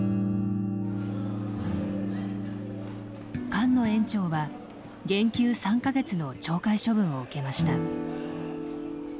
菅野園長は減給３か月の懲戒処分を受けました。